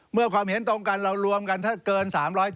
เมื่อความเห็นตรงกันเรารวมกันเกิน๓๗๕